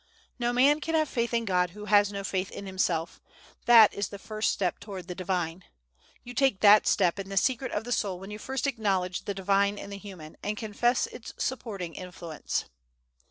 No man can have faith in God who has no faith in himself; that is the first step towards the Divine. You take that step in the secret of the soul when you first acknowledge the "Divine in the human," and confess its supporting influence.